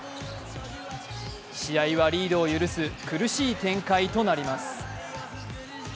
試合はリードを許す苦しい展開となります。